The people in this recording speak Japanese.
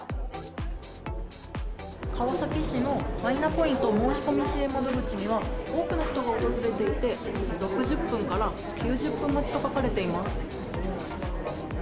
川崎市のマイナポイント申し込み支援窓口には、多くの人が訪れていて、６０分から９０分待ちと書かれています。